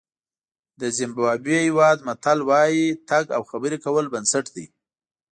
د زیمبابوې هېواد متل وایي تګ او خبرې کول بنسټ دی.